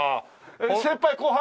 先輩後輩？